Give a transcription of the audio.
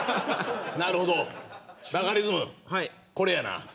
なるほどバカリズム、これやな。